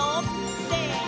せの！